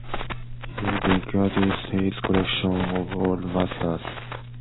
He bequeathed his collection of old masters to the Kunstsammlungen Zwickau.